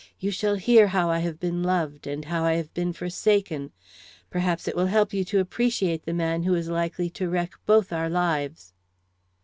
"You shall hear how I have been loved, and how I have been forsaken. Perhaps it will help you to appreciate the man who is likely to wreck both our lives."